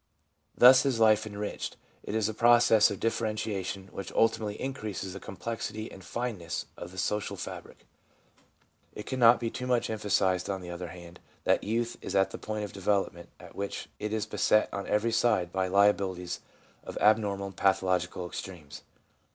Thus is life enriched ; it is a process of differentiation which ultimately increases the complexity and fineness of the social fabric. It cannot be too much emphasised, on the other hand, that youth is at the point of development at which it is beset on every side by liabilities of abnormal and pathological extremes.